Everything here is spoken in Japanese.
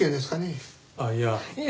あっいや。